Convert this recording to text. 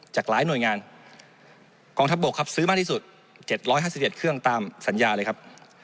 จากหลายหน่วยงานกองทัพบกครับซื้อมากที่สุด๗๕๗เครื่องตามสัญญาเลยครับ